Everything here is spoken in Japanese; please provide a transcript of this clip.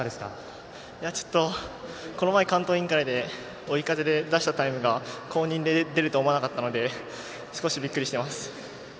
ちょっと、この前関東インカレで追い風で出したタイムがここまで出ると思わなかったので少しびっくりしています。